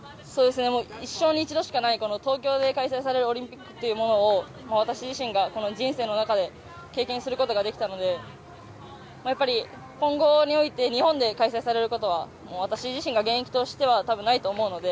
一生に一度しかない東京で開催されるオリンピックというものを私自身が人生の中で経験することができたのでやっぱり今後において日本で開催されることはもう、私自身が現役の間は多分、ないと思うので。